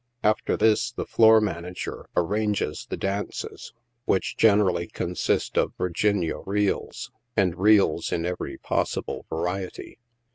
After this, the floor manager arranges the dances, which generally consist of Virginia reels, and reels in every possible variety.